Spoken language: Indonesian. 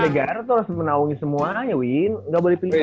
nggak negara tuh harus menaungi semuanya wih enggak boleh pilih yang lain